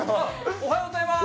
おはようございます。